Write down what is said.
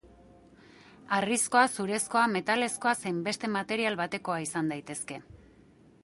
Harrizkoa, zurezkoa, metalezkoa zein beste material batekoa izan daitezke.